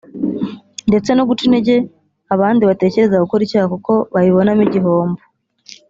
ndetse no guca intege abandi batekereza gukora icyaha kuko babibonamo igihombo